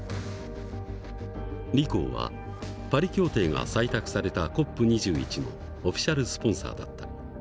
リコーはパリ協定が採択されたＣＯＰ２１のオフィシャルスポンサーだった。